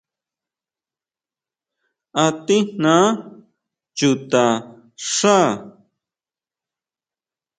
¿A tijná chuta xá?